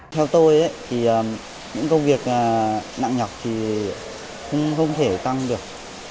theo tôi thì những công việc nặng nhọc thì cũng không thể tăng được